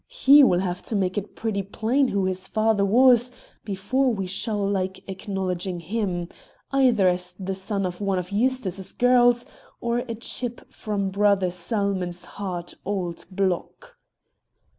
He will have to make it pretty plain who his father was before we shall feel like acknowledging him, either as the son of one of Eustace's girls, or a chip from brother Salmon's hard old block."